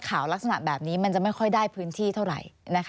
ลักษณะแบบนี้มันจะไม่ค่อยได้พื้นที่เท่าไหร่